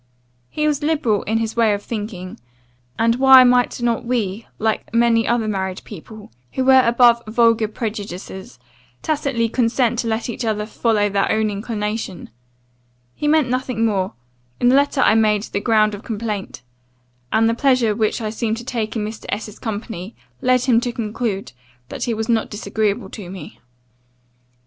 He was liberal in his way of thinking; and why might not we, like many other married people, who were above vulgar prejudices, tacitly consent to let each other follow their own inclination? He meant nothing more, in the letter I made the ground of complaint; and the pleasure which I seemed to take in Mr. S.'s company, led him to conclude, that he was not disagreeable to me.